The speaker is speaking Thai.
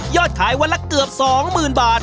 ขายวันละเกือบ๒๐๐๐บาท